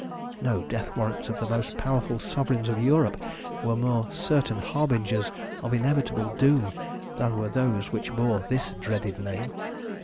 No death warrants of the most powerful sovereigns of Europe were more certain harbingers of inevitable doom than were those which bore this dreaded name.